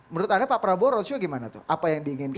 menurut anda pak prabowo roadshow gimana tuh apa yang diinginkan